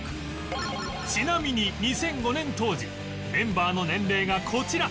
ちなみに２００５年当時メンバーの年齢がこちら